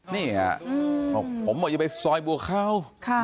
เนี่ยอ่ะผมว่าจะไปซอยบัวขาว